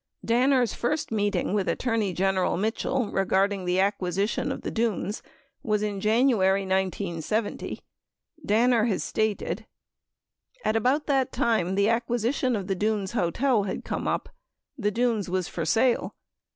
30 Danner's first meeting with Attorney General Mitchell regarding the acquisition of the Dunes was in January 1970. 31 Danner has stated : At about that time, the acquisition of the Dunes Hotel had come up. The Dunes was for sale.